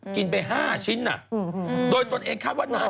กินไป๕ชิ้นโดยตนเองคาดว่านาน